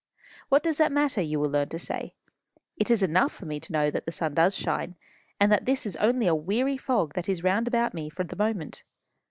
'What does that matter?' you will learn to say. 'It is enough for me to know that the sun does shine, and that this is only a weary fog that is round about me for the moment.